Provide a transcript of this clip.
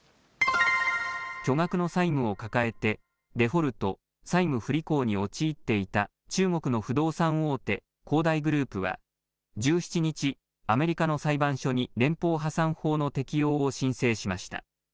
巨額の債務を抱えてデフォルト・債務不履行に陥っていた中国の不動産大手、恒大グループは、１７日、アメリカの裁判所に連邦破産法の適用を申請しました。